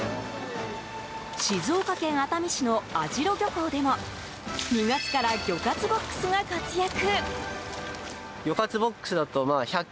静岡県熱海市の網代漁港でも２月から魚活ボックスが活躍。